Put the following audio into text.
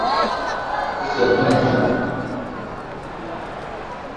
Matumizi ya kila mara ya dawa za kuua viroboto